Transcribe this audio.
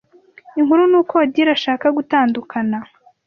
Inkuru nuko Odile ashaka gutandukana.